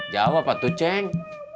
jawab apa tuh ceng